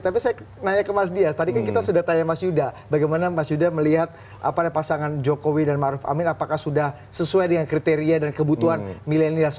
tapi saya nanya ke mas dias tadi kan kita sudah tanya mas yuda bagaimana mas yuda melihat pada pasangan jokowi dan maruf amin apakah sudah sesuai dengan kriteria dan kebutuhan milenial